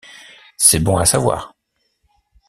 C’est bon à savoir.